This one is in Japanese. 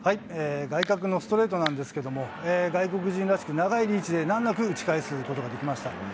外角のストレートなんですけれども、外国人らしく、長いリーチで難なく打ち返すことができました。